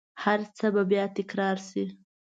هرڅه به بیا تکرارشي